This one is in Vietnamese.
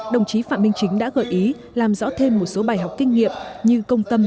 đồng chí phạm minh chính đã gợi ý làm rõ thêm một số bài học kinh nghiệm như công tâm